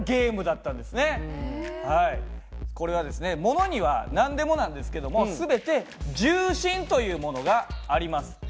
これはですねものには何でもなんですけども全て「重心」というものがあります。